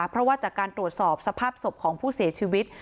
เพราะว่าจากการตรวจสอบสภาพศพของผู้เสียชีวิต